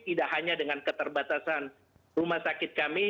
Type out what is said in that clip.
tidak hanya dengan keterbatasan rumah sakit kami